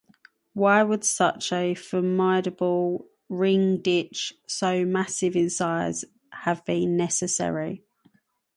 Why would such a formidable ring-ditch, so massive in size, have been necessary?